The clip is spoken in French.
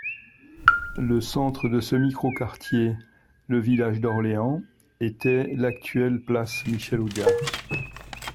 Le centre de ce micro-quartier, le village d'Orléans, était l'actuelle place Michel-Audiard.